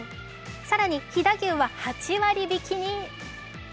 更に飛騨牛は８割引に。